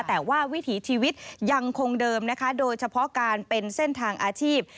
แต่ว่าวิถีชีวิตยังคงเดิมนะคะโดยเฉพาะการเป็นเส้นทางอาชีพ